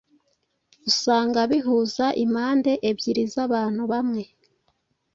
Usanga bihuza impande ebyiri z’abantu bamwe